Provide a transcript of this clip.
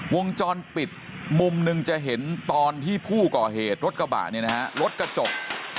วงจรปิดมุมหนึ่งจะเห็นตอนที่ผู้ก่อเหตุรถกระบะเนี่ยนะฮะรถกระจก